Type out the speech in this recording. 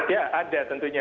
ya ada tentunya